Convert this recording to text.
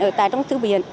ở tại trong thư viện